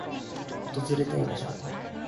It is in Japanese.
訪れたい場所